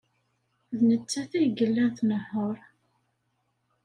D nettat ay yellan tnehheṛ.